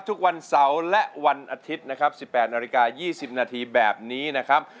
ทุกวันเสาร์และวันอาทิตย์นะครับ๑๘นาฬิกา๒๐นาทีแบบนี้นะครับ